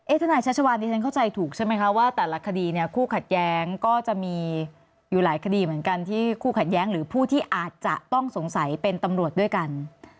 ทนายชัชวานดิฉันเข้าใจถูกใช่ไหมคะว่าแต่ละคดีเนี่ยคู่ขัดแย้งก็จะมีอยู่หลายคดีเหมือนกันที่คู่ขัดแย้งหรือผู้ที่อาจจะต้องสงสัยเป็นตำรวจด้วยกัน